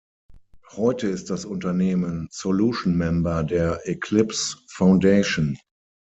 Heute ist das Unternehmen Solution Member der Eclipse Foundation.